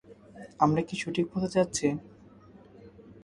আমরা কি সঠিক পথে যাচ্ছি?